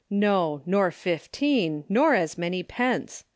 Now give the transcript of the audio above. No; nor fifteen; nor as many pence.